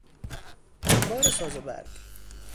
انبار ساز و برگ